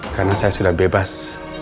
karena saya sudah bebas